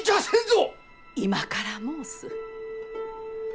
今から申す。